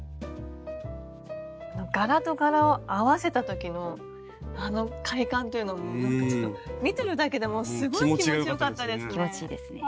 柄と柄を合わせた時のあの快感っていうのもなんかちょっと見てるだけでもすごい気持ちよかったですね。